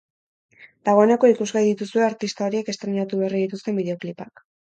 Dagoeneko ikusgai dituzue artista horiek estreinatu berri dituzten bideoklipak.